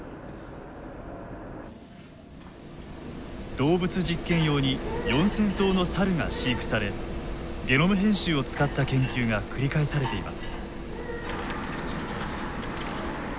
動物実験用に４，０００頭のサルが飼育されゲノム編集を使った研究が繰り返されています。